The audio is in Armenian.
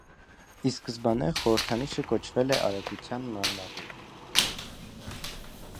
Ի սկզբանե խորհրդանիշն կոչվել է «Արագության մարմնավորում»։